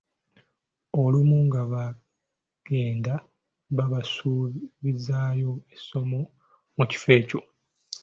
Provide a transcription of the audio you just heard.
Olumu nga bagenda babasuubizaayo essomo mu kifo ekyo.